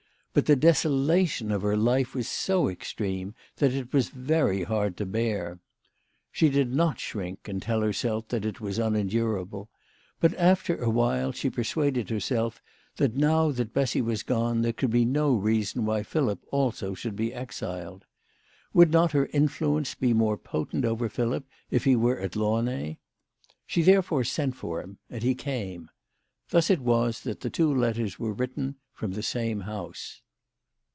But the desolation of her life was so extreme that it was very hard to bear. She did not shrink and tell herself that it was unen durable, but after awhile she persuaded herself that now that Bessy was gone there could be no reason why Philip also should be exiled. Would not her influence be more potent over Philip if he were at Launay ? She therefore sent for him, and he came. Thus it was that the two letters were written from the same house.